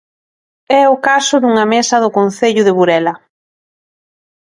É o caso dunha mesa do concello de Burela.